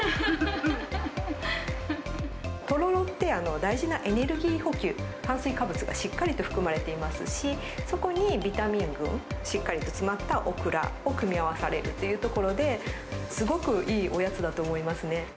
トロロって、大事なエネルギー補給、炭水化物がしっかりと含まれていますし、そこにビタミン群、しっかりと詰まったオクラを組み合わされるっていうところで、すごくいいおやつだと思いますね。